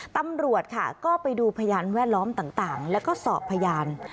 ตำรวจค่ะก็ไปดูพยานแวดล้อมต่างแล้วก็สอบพยาน